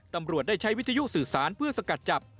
ตำรวจได้ใช้วิทยุสื่อสารเพื่อสกัดจับ